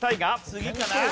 次かな？